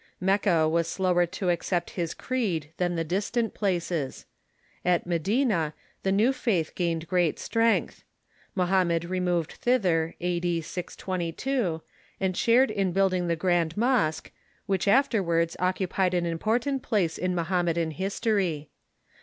Mecca was slower to ac cept his creed than the distant places. At Medina the new faith gained great strength, INIohammod removed thither a,d. 622, and shared in building the Grand Mosque, which after wards occupied an important place in Mohammedan history.